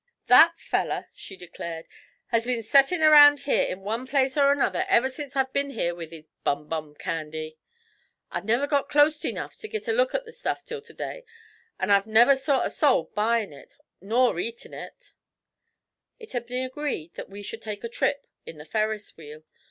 'That feller,' she declared, 'has been settin' around here in one place or another ever sence I've been here with his bum bum candy. I've never got closte enough to git a look at the stuff till to day; an' I've never saw a soul buyin' it nor eatin' it.' It had been agreed that we should take a trip in the Ferris Wheel.